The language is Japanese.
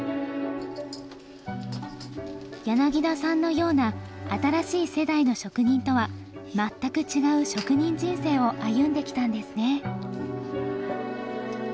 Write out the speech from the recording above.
柳田さんのような新しい世代の職人とは全く違う職人人生を歩んできたんですね。